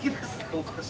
お菓子。